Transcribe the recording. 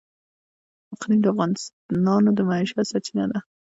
اقلیم د افغانانو د معیشت سرچینه ده.